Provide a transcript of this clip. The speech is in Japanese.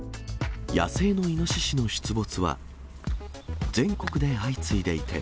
野生のイノシシの出没は、全国で相次いでいて。